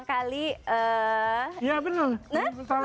kali iya bener